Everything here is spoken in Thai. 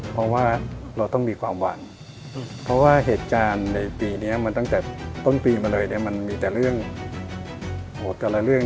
เพราะว่าเราต้องมีความหวังเพราะว่าเหตุการณ์ในปีนี้มันตั้งแต่ต้นปีมาเลยเนี่ยมันมีแต่เรื่องโหดแต่ละเรื่อง